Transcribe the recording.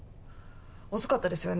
遅かったですよね。